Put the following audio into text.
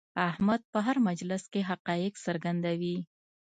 احمد په هر مجلس کې حقایق څرګندوي.